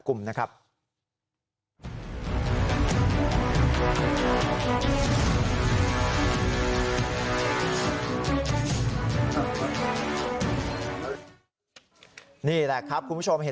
คุณผู้ชม